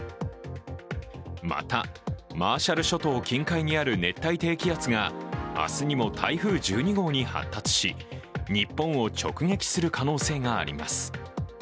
また、マーシャル諸島近海にある熱帯低気圧が明日にも台風１２号に発達し日本を直撃する可能性があります。